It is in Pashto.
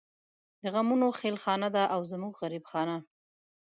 د غمونو خېلخانه ده او زمونږ غريب خانه